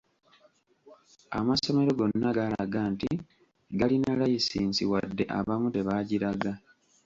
Amasomero gonna gaalaga nti galina layisinsi wadde abamu tebaagiraga.